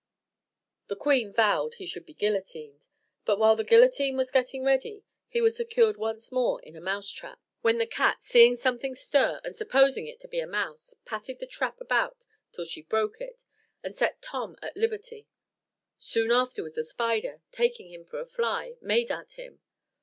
The queen vowed he should be guillotined; but while the guillotine was getting ready, he was secured once more in a mouse trap; when the cat, seeing something stir, and supposing it to be a mouse, patted the trap about till she broke it, and set Tom at liberty. Soon afterwards a spider, taking him for a fly, made at him.